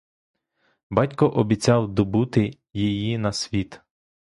Батько обіцяв добути її на світ.